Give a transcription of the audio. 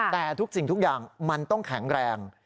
แต่ทุกสิ่งทุกอย่างมันต้องแข็งแรง